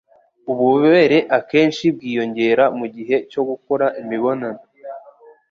ububobere akenshi bwiyongera mu gihe cyo gukora imibonano.